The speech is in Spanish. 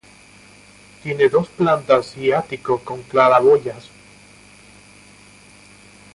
Tiene dos plantas y ático con claraboyas.